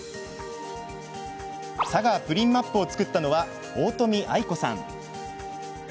さがプリンマップを作ったのは大富藍子さん。